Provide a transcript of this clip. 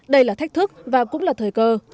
đây là thách thức và cũng là thời cơ